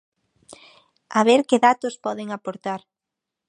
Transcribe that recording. A ver que datos poden aportar.